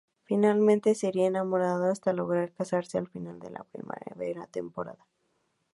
Finalmente se irán enamorando hasta lograr casarse al final de la primera temporada.